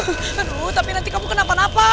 aduh tapi nanti kamu kenapa napa